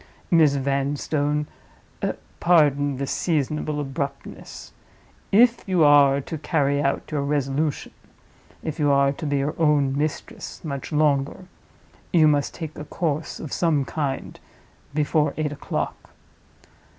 Miss Vanstone, pardon this seasonable abruptness! If you are to carry out your resolution—if you are to be your own mistress much longer, you must take a course of some kind before eight o'clock.